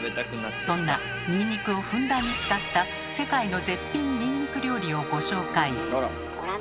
そんなニンニクをふんだんに使った世界の絶品ニンニク料理をご紹介。